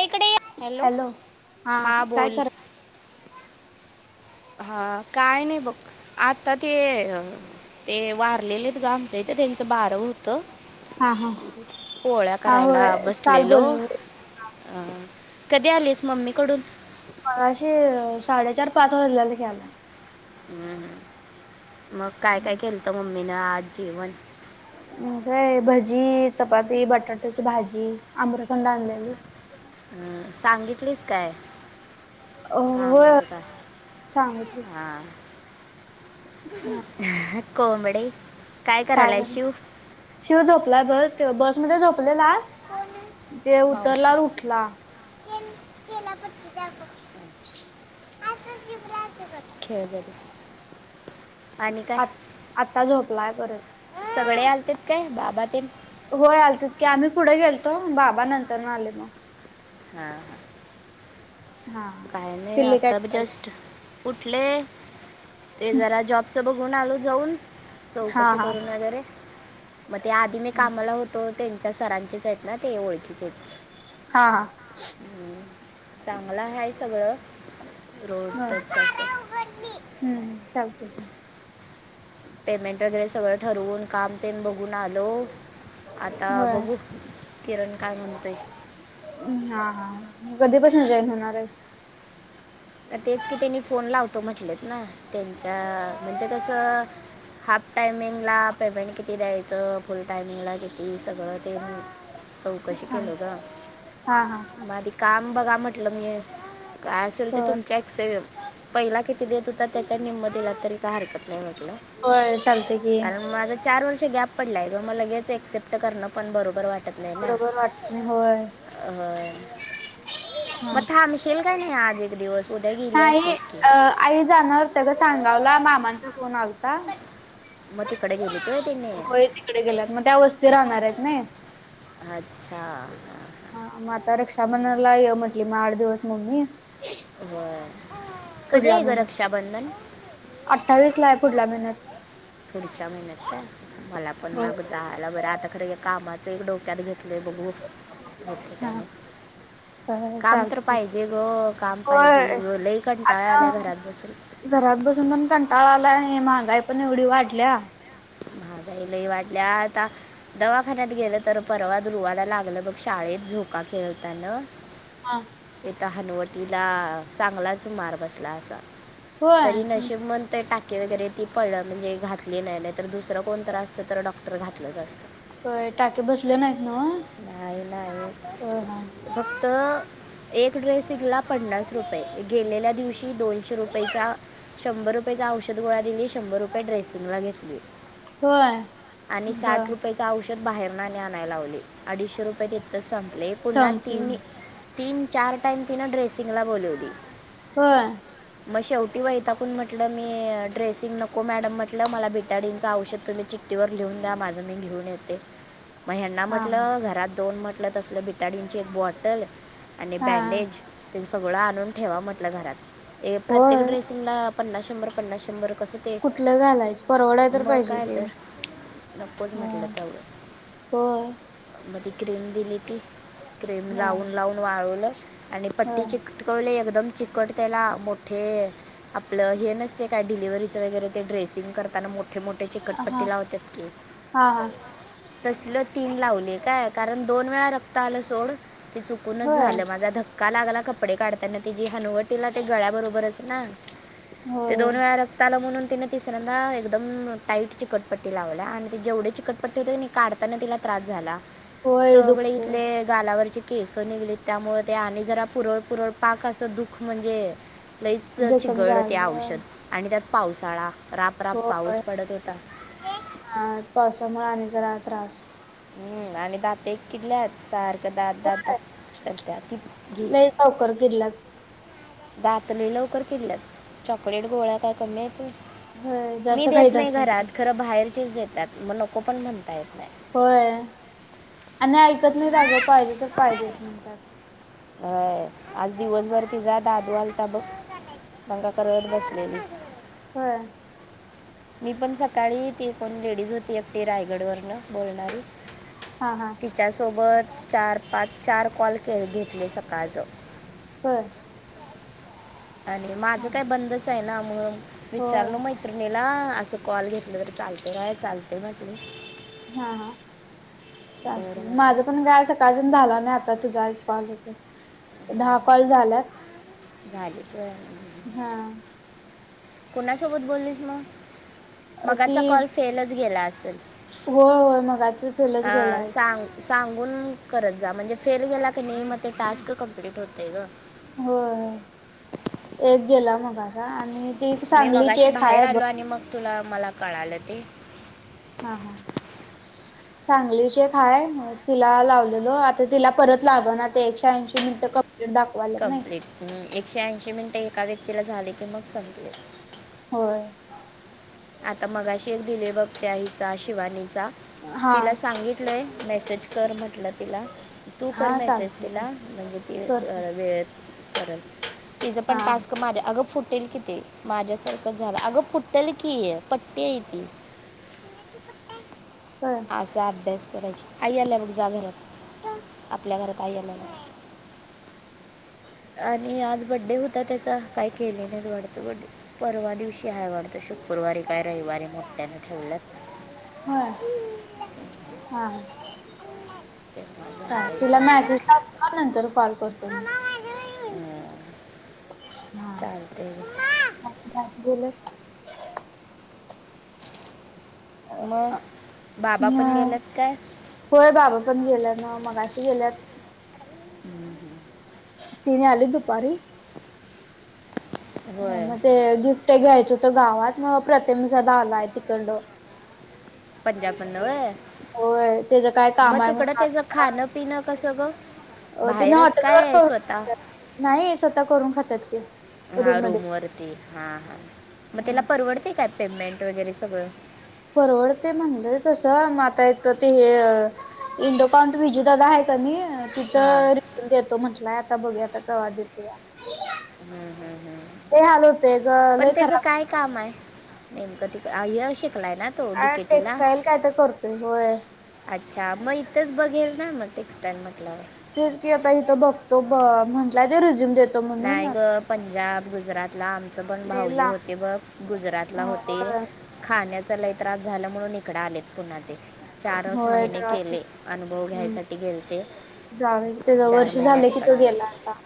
एक इकडे ऐ, हॅलो, हा काय बोल. करा हा, काय नाही बघ, आता ते, ते वारलेले आहेत ग आमच्या. ते त्यांचं बारवं. त, हा हा पोळ्या हा होय करायला काल बसलेलो. बोलले अ कधी आलीस मम्मी कडून? मगाशीे, साडेचार पाच वाजलेले याला. हम्म, मग काय, काय केलंत मम्मीनं आज जेवन? म्हणजे भजी, चपाती, बटाट्याची भाजी, आम्रखंड आणलेलं. हा सांगितलीस काय? अ होय होय कामाच काय, सांगितली हा. हा [unintelligible] कोबडे. काय झालं? शिव झोपलाय बग, तो बस बसमध्ये झोपलेला. ते उतरल्यावर उठला [unintelligible] खेळ, खेळ. आ, आता झोपलाय परत. सगळे आलतेत काय? बाबा तेन. होय आल तित कि, आम्ही पुढे गेलतो, बाबा नंतर म आले मग. हा, हा काय नाई, पिल्ली काय आता ब करायली जस्ट. उठले. ते जरा जॉबच बघून आलो जाऊन, हा चौकशी हा करून वगैरे. मग ते आधी मी कामाला होतो,, त्यांच्या सरांचेच आहेत ना ते ओळखीचे. हा, हा. हम्, चांगलं आहे सगळं, होय रोडटच अस. हम्म, चालतय की. पेमेंट वगैरे सगळं ठरवून काम ते बघ तुन आलो आता होय बघू किरण काय म्हणतोय. हम्म कधे पासून जॉईन होणार आहेस. तर तेच की त्यांनी फोन लावतो म्हटलेत ना त्यांच्या म्हणजे कसं. हाफ टायमिंगला पेमेंट किती द्यायचं फुल टायमिंगला किती सगळं ते. चौकशी हा केल हा हा मग माध काम बघा म्हटलं मी असं. हो तुमच्या एक्स पहिला किती देत होता त्याच्या निम दिला तरी काय हरकत नाही. म्हटलं होय चालते की. कारण माझा चार वर्ष गॅप पडला आहे ग मला हेच एक्सेप्ट करणं पण बरोबर वाट बरोबर वाटत नाही, होय. अ हा मग थांबशेल काय नाही आज एक दिवस उद्या गेली नाही असतीस की अ आई जाणार होत्या ग सांनगावला मामांचा फोन आलाता. म ते कडे गली तय तीने कडे गेल्यात, मग त्या वस्थी राहणार आहत न. अच्छा! हा मग आता रक्षाबंधला ये म्हंटली मग आठ दिवस मम्मी. बर. पुढला मेन्यात, अठ्ठावीस ला आहे पुढल्या महिन्यात. पुढच्या महिन्यात काय मला पण हो ना बई झालं बरं आता खरं कामाचं एक डोक्यात घेतलंय बघू होत काय नाही हा काम तर चालते पाहिजे ग काम होय पाहिजे लई कंटाळा आला ये आता घरात बसून. घरात बसून पण कंटाळा आला नाही महागाई पण एवढी वाढल्या मगाईलही वाटल्या आता दवाखान्यात गेलं तर परवा रुवायला लागलं बग शाळेत झोका खेळतान हा. येथ हनुवटीला चांगलाच मार बसला असा. होय तरी नशिब म्हण ते टाके वगैरे ती पड म्हणजे घातली नाही तर दुसरं कोणतं असतं तर डॉक्टर घातलंच असतं. का टाके बसले नाहीत नाव. नाही नाही फक्त एक ड्रेसिंगला पन्नास रुपये गेलेल्या दिवशी दोनशे रुपयेच्या शंभर रुपयेचा औषध गोळा दिली शंभर रुपये ड्रेसिंगला घेतली. होय आणि बर साठ रुपययाच औषध बाहेर ना आणाय लावले. अडीचशे रुपये दच संपले पुन्हा संपली तीन तीन चार टाइम तिन ड्रेसिंगला बोलवली. होय. मग शेवटी वैताकून म्हटलं मी ड्रेसिंग नको मॅडम म्हटलं मला भिटाडींच औषध तुम्ही जी व लिहून द्या माझं मी घेऊन येते म ह्यांना हा हा म्हटलं घरात दोन म्हटलं तसलं बिताडींची एक बॉटल आणि हा बँडेज ते सगळं आणून ठेवा म्हटलं घरात ये प्रत्येक होय ड्रेसिंगला पन्नास शंभर पन्नास शंभर कस कुठलं घालायचं परवडाय तर पाहिजे कि तर नकोच हो. म्हटलं होय. मध क्रीम दिली ती क्रीम होय लावून लावून वाळवलं आणि पट्टी होय ची टकवले एकदम चिकट त्याला मोठे आपलं हे नसते काय डिलिव्हरीच वगैरे ते ड्रेसिंग करताना मोठ मोठे मोठे हा चिकटपट्टी लावतात के हा हा तसल तीन लाव कायण दोन वे रक्त आ सोड चुकूनच होय होय झाल माझा ध का लागला कपडे काढताना. ति हनुवटीला ते गळ्या बरोबरच ना ते होय दोन वेळा रक्ता आला म्हणून तिने तिसऱ्यांदा एकदम टाईट चिकटपट्टी लावल्या आणि त जेवढे चिकटपट्टी होते काढताना तिला त्रास झाला. होय सगळे दुखतय इथले गालावरची केस निघलीत त्यामुळे ते आणि जरा पुरळ पुरळ पाक असं दुःख म्हणजे लईच जखम चिघळ होते झाल्या औषध आणि त्यात पावसाळा रापराप पाऊस होय पडत होता. हा पावसामुळे आणि जरा त्रास हम्म आणि दाते किडल्या आहेत सारख्या दात दात होय करत ती लईच लवकर किडलात. दात लई लवकर फिरल्यात चॉकलेट गोळ्या काय कमी आहे व्हय. होय मी जास्त देत खाईत नाही असतात ते घरात, खरं बाहेरचेच देतात मग नको पण म्हणता येत नाही. होय आणि ऐकत नाही आगं पाहिजे तर पाहिजेच म्हणतात. हं आज दिवसभर तिझा दादू आलता बघ दंगा करत बसलेली. व्हयं! मी पण सकाळी त एकण लेडीज होती अी रायगड वरन बोलणारी हा हा. तिच्यासोबत चार पाच चार कॉल के घेतले सकाळचं बर. आणि माझं हा काय बंदच आहे ना मग होय विचारल महि तरने ला असं कॉल घेतलं तर चालत काय चालत म्ह हा हा चालत बरं माझं पण म्हटलं गाय सक काजून झाला नाही, आता तुझा एक कॉल होता दहा कॉल झाल्या. हा कोणासोबत बोललीस म. मगाचा कॉल फेलच गेला असल. हो होय मगाची [unintelligible] अ गेला एक सांग सांगून करत जा म्हणजे फेल गेला क नई म ते टास्क कम्प्लीट होतेय ग. होय एक गेला मगाशा आण म ती मी सांगलीची मगाशी एक बाहेर हाय बघ. आलो आणि मग तुला मला कळालं ते. हा हा सांगली ची एक हाये म तिला लावलेलो ओ आता तिला परत लाग ना ते एकशे ऐंशी मिनटं कंप्लीट दाखव कमप्लीट हूं एकशे ऐंशी मिनिटं एका व्यक्तीला झाले की मग संपले. होय. आता मगाशी एक दिले बगत्या हीचा शिवानीचा हा तिला सांगित टलं मेसेज कर म्हटलंत. तिला तू कर हा मेसेज चालतंय की तिला म्हणजे ती करते वेळेत करल. तिचं पण हा टास्क माझ्या अगं फुटेल कि ते माझ्यासारखं झालं अगं फुटंल. की आहे [unintelligible] [inaudible] असा अभ्यास करायची आईयाला ब जा घरात आपल्या घरात आईयाला. आणि आज बड्डे होता त्याचा, काही केलेला नाही वाटत बड्डे परवा दिवशी कायवाटतं शुकृवारी काय रविवारी मोट्याने ठेवलं. होय हा. तेव्हा चाल जायचं तिला आता मॅसेज टाकू का नंतर कॉल करतो मी. चालतय. गेलं [unintelligible] म बाबा पण गेल्यात काय? होय बाबा पण गेल्या ना मगाशी गेल्यात. हूं! तिनी आले दुपारी. हो होय म ते गिफ्ट घ्यायच होतं गावात म प्रतीम सधा आलाय तिकड. पंजाबमधनं होय होय त्याच काय काम मग आहे तिकडं म्हणु आ त्याचं खाणं पिणं कसं ग. अ तिने बाहेरच हॉटेलवर काय करून स्वतः खात्यात, नाही स्वतः करून खात्यात त्या. हा रूम वरती हा हा मग तीला परवडते काय पेमेंट वगैरे सगळं. परवडते म्हणलंय तस म आता इथ ते हे इंडोकाउंट विजू ददा आहे क नही. हां तिथं रिफ्रेनस न देतो म्हटलाय आता बघूया आता कवा देतो या. लई हाल होते ग लई पण त्याचं खराब काय काम आहे नेमकं ती आय ए शिकलाय ना? तो अ डीकेटीला टेक्स्टाईल काय तर करतोय होय. अच्छा मग इथंच बघेल ना म टेक्स्टाइल म्हटल्याव. तेच की आता इथं बघतो ब म्हटलाय ते रिझ्यूम देतो. म्हणून नाही ग पंजाब गुजरातला आमचं पण लय भाऊजी लांब होते ब गुजरातला होते. होय खाण्याचा लय त्रास झालं म्हणून इकडे आलेत पुन्हा ते. चारच होय महिने त्रास केले, अनुभव घ्यायसाठी गेलते. जाऊन त्याज वर्ष झालं की तो गेला आता.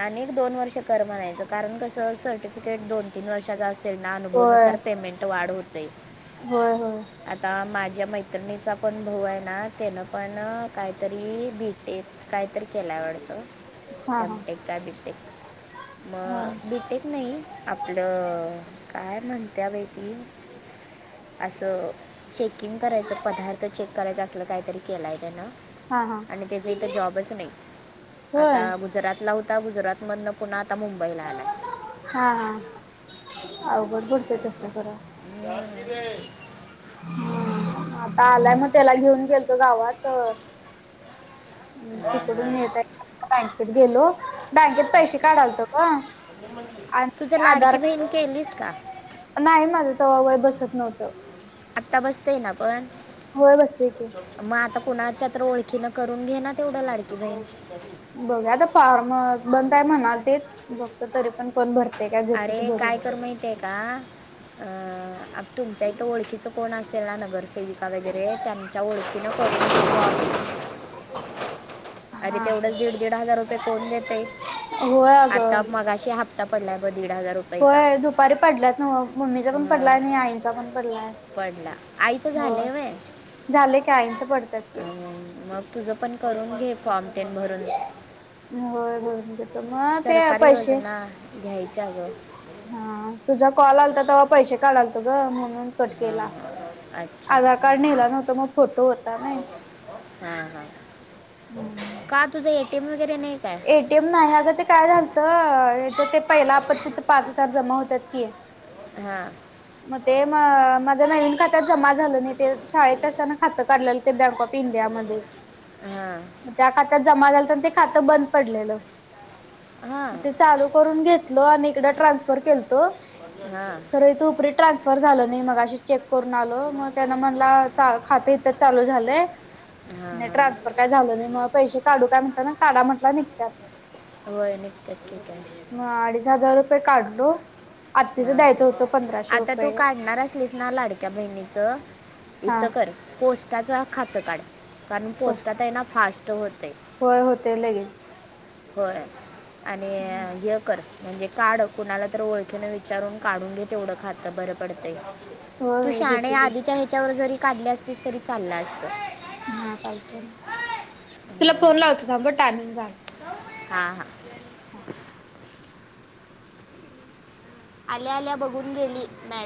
आणि दोन वर्ष कर म्हणायचं कारण कसं सर्टिफिकेट दोन, तीन वर्षाचा अस त्यांना अनुभवनुसार होय. पेमेंट वाढ होतय. होय होय आता माझ्या मैत्रिणीचा पण भाऊ आहे ना त्यान पण काहीतरी बी टेक काहीतरी केलाय वाडतं, हा हा एम टेक काय बी टेक, म हो बी हा टेक नाही, आपलं काय म्हणत्या बाई ती? असं चेकिंग करायचं पदार्थ चेक करायच असल काहीतरी केला तेन. हा आणि त्याच इथ जॉबच नाही, आता होय गुजरातला होता गुजरात मधन पुन्हा आता मुंबईला आलाय. हा हा, अवघड पडतय तस असं. खर. [unintelligible] हम म आता आलाय म त्याला घेऊन गेलतो गावात. तिकडून हा. येता येता बँकेत गेलो बँकेत पैसे काढालतो ग. तुझ आणि लाडकी आधार बहीण केलीस का? नाही माझं तवा वय बसत नव्हतं. आत्ता बसतय ना पण. होय बसतय की. म आता कुणाच्या तर ओळखीन करून घे ना तेवढं लाडकी बहीण. बघुया आता फॉर्म बंदय म्हणालतीत बघतो तरी पण कोण भर ते काय घेतते ते भरून. तर माहितेय आता, अ तुमच्या इथं ओळखीच कोण असेल ना नगरसे सेविका वगैरे त्यांच्या ओळखीनं करुन [unintelligible] [unintelligible] अरे हा तेवढंच दीड दीड हजार रुपये कोण देते, होय आता अगं मगा शी हप्ता पडला दिड हजार रुपय होय दुपारी पडल्यात नव मम्मीचा पण अं, पडलाय आणि आईंचा पण पडलाय. पडला, आईच झालय व्हय. झाल की आईंचं पडतात की. मग तुझं पण करून घे फॉर्म तेन भरून. होय भरून घे सरकारी योजना घ्यायच्या ग. हा तुझा कॉल आलता तव्हा पैसे काढालतो ग म्हणून. कट हां केला, हां अच्छा आधार कार्ड नेला नव्हता मग फोटो होता नाही. हा हा. हम्म. का तुझं एटीएम वगैरे नाही काय? एटीएम नाही अगं ते काय झालत हिच्या तीच्या पहिला आपत्तीच पाच हजार जमा होतात कि. हां म ते म माझ्या नवीन खात्यात जमा झालं नाही ते शाळेत असताना खातं काढलेलं ते बँक ऑफ इंडियामध्ये. हा. मग त्या खात्यात जमा झाला तर ते खातं बंद पडलेलं. हां म ते चालू करून घेतलो आणि इकड ट्रान्सफर केलतो. हा. खरं तू उपरी ट्रान्सफर झालं नाही मग अशी चेक करून आलो मग त्यान मणला चा खातीत तर चालू झालंय. हा आणि हा. ट्रान्सफर काय झालं नाही म पैसे काढू काय म्हणत ना काढा म्हटला निघतात. होय निघतात की [unintelligible] म अडीच हजार रुपये काढलो. आत्तीचं हा द्यायचं हा होतं पंधराशे आता तू रुपये काढणार असलीस ना लाडक्या बहिणीचं हा इथं कर पोस्टाच खातं काढ कारण पोस्टात आहे ना फास्ट होतय. होय होतय लगेच. होय आणि हे कर म्हणजे काढ कुणाला तर ओळखीन विचारून काढून घे तेवढं खातं बरं पडतं. होय तू होय शाने घेते आधीच्या की ह्याच्यावर जरी काढली असतीस तरी चालला असत. हा चालतय तुला फोन हम्म. लावतो थां ब टामिंग झालय. हा हा. आल्या आल्या बघून गेली मॅड